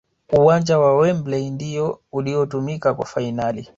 uwanja wa Wembley ndiyo uliotumika kwa fanali